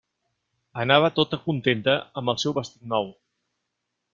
Anava tota contenta amb el seu vestit nou.